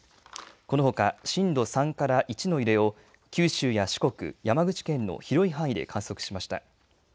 このほか、震度３から１の揺れを九州や四国、山口県の広い範囲で観測しました。